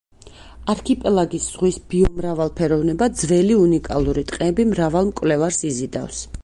არქიპელაგის ზღვის ბიომრავალფეროვნება, ძველი, უნიკალური ტყეები მრავალ მკვლევარს იზიდავს.